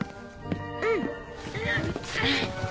うん。